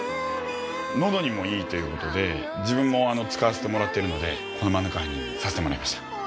喉にもいいっていうことで自分も使わせてもらってるのでこのマヌカハニーにさせてもらいました。